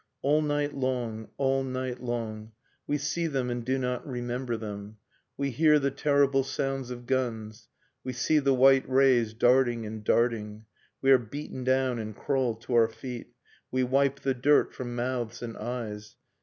All night long, all night long, We see them and do not remember them, We hear the terrible sounds of guns. We see the white rays darting and darting. We are beaten down and crawl to our feet, We wipe the dirt from mouths and eyes.